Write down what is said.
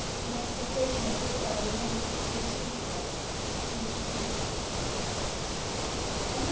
In expectation of which I remain your sweetheart, B. D. July 1st.